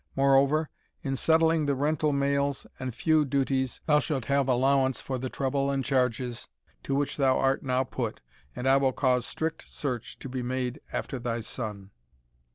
Moreover, in settling the rental mails, and feu duties, thou shalt have allowance for the trouble and charges to which thou art now put, and I will cause strict search to be made after thy son."